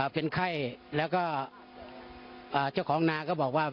เป็นไข้แล้วก็เจ้าของนาก็บอกว่า